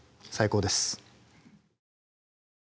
最高です。